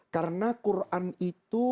karena quran itu